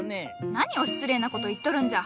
何を失礼な事言っとるんじゃ！